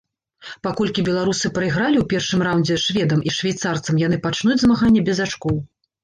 Паколькі беларусы прайгралі ў першым раўндзе шведам і швейцарцам, яны пачнуць змаганне без ачкоў.